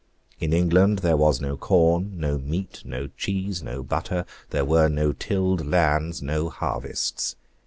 In England there was no corn, no meat, no cheese, no butter, there were no tilled lands, no harvests.